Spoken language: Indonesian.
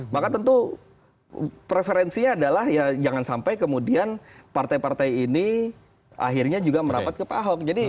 maka tentu preferensinya adalah ya jangan sampai kemudian partai partai ini akhirnya juga merapat ke pak ahok